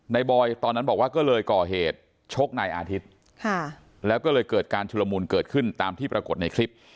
บอยตอนนั้นบอกว่าก็เลยก่อเหตุชกนายอาทิตย์แล้วก็เลยเกิดการชุลมูลเกิดขึ้นตามที่ปรากฏในคลิป